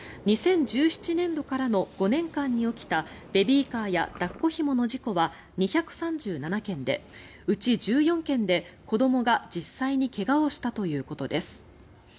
２０１７年度からの５年間に起きたベビーカーや抱っこひもの事故は２３７件でうち１４件で子どもが実際に怪我をしたということです。